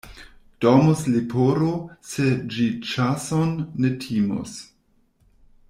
Dormus leporo, se ĝi ĉason ne timus.